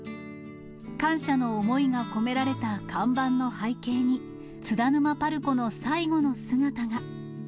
感謝の思いが込められた看板の背景に、津田沼パルコの最後の姿が。